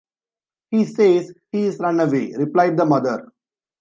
“He says he’s run away,” replied the mother.